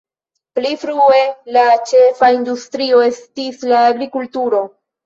Pli frue la ĉefa industrio estis la agrikulturo.